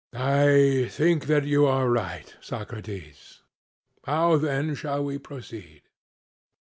CRITO: I think that you are right, Socrates; how then shall we proceed?